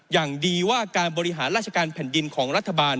อย่างดีว่าการบริหารราชการแผ่นดินของรัฐบาล